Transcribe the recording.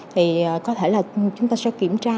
thì có thể là chúng ta sẽ kiểm tra